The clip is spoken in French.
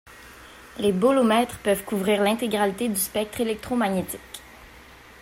Les bolomètres peuvent couvrir l'intégralité du spectre électromagnétique.